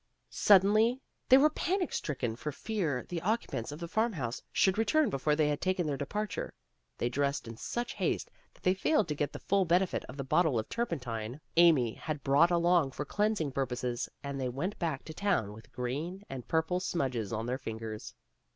Suddenly they were panic stricken for fear the occupants of the farm house should return before they had taken their departure. They dressed in such haste that they failed to get the full benefit of the bottle of turpentine Amy had 58 PEGGY RAYMOND'S WAY brought along for cleansing purposes, and they went back to town with green and purple smudges on their fingers.